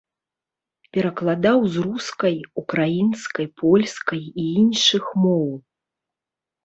Перакладаў з рускай, украінскай, польскай і іншых моў.